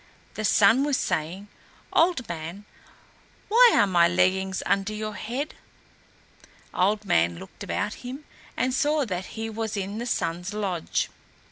The Sun was saying, "Old Man, why are my leggings under your head?" Old Man looked about him and saw that he was in the Sun's lodge.